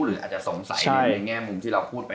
หรืออาจจะสงสัยในแง่มุมที่เราพูดไป